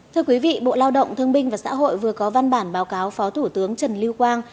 thưa quý vị bộ lao động thương binh và xã hội vừa có văn bản báo cáo phó thủ tướng trần lưu quang